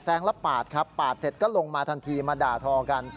แล้วปาดครับปาดเสร็จก็ลงมาทันทีมาด่าทอกัน